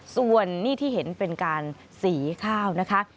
ส่วนนี่ที่เห็นเป็นการสีข้าวนะคะ